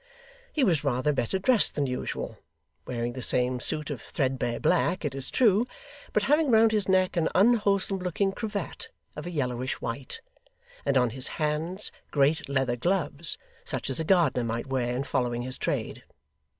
He was rather better dressed than usual: wearing the same suit of threadbare black, it is true, but having round his neck an unwholesome looking cravat of a yellowish white; and, on his hands, great leather gloves, such as a gardener might wear in following his trade.